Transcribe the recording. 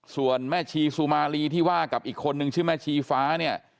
ส่วนแม่ชีสุมารีที่ว่ากับอีกคนนึงชื่อแม่ชีฟ้าเนี่ย